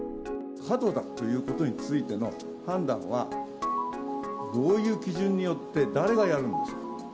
過度だということについての判断は、どういう基準によって、誰がやるんですか。